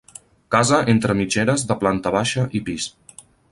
Casa entre mitgeres de planta baixa i pis.